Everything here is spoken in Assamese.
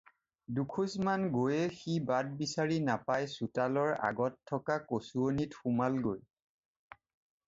দুখোজমান গৈয়েই সি বাট বিচাৰি নাপায় চোতালৰ আগত থকা কচুৱনিত সোমালগৈ।